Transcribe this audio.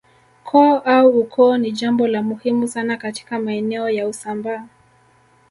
Koo au ukoo ni jambo la muhimu sana katika maeneo ya Usambaa